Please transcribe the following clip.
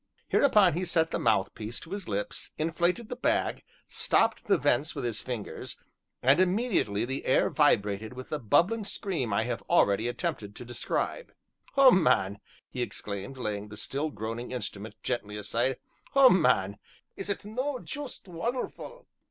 Hereupon he set the mouthpiece to his lips, inflated the bag, stopped the vents with his fingers, and immediately the air vibrated with the bubbling scream I have already attempted to describe. "Oh, man!" he exclaimed, laying the still groaning instrument gently aside, "oh, man! is it no juist won'erful?"